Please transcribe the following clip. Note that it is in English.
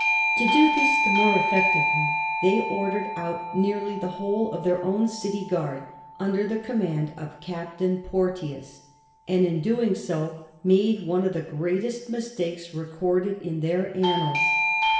To do this the more effectively they ordered out nearly the whole of their own city guard un der the command of Captain Porteous, and in doing so made one of the greatest mistakes recorded in their an nals.